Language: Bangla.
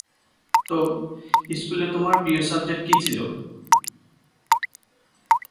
তো, স্কুলে তোমার প্রিয় সাবজেক্ট কী ছিল?